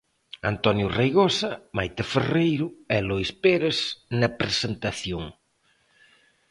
Antonio Reigosa, Maite Ferreiro e Lois Pérez na presentación.